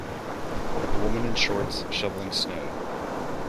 A woman in shorts shoveling snow.